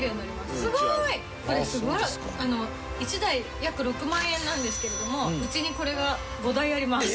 すごい！これすごい１台約６万円なんですけれどもうちにこれが５台あります。